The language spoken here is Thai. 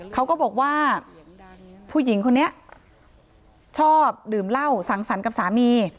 เขาก็บอกว่าผู้หญิงคนนี้ชอบดื่มเหล้าสังสรรค์กับสามี